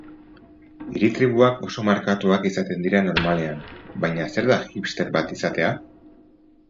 Hiri-tribuak oso markatuak izaten dira normalean, baina zer da hipster bat izatea?